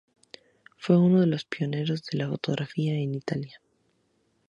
Fue uno de los pioneros de la fotografía en Italia.